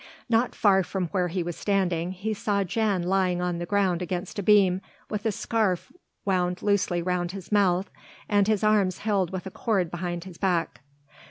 Not far from where he was standing he saw Jan lying on the ground against a beam, with a scarf wound loosely round his mouth and his arms held with a cord behind his back.